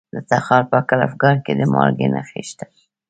د تخار په کلفګان کې د مالګې نښې شته.